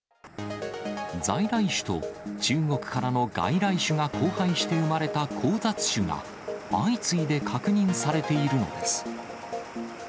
在来種と中国からの外来種が交配して生まれた交雑種が、相次いで確認されているのです。